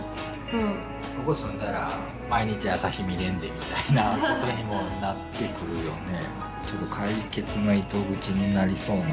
ここ住んだら毎日朝日見れんでみたいなことにもなってくるよね。